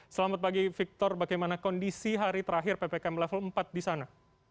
selamat pagi victor bagaimana kondisi hari terakhir ppkm level empat di sana